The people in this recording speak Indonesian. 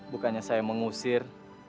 bukannya saya mengusir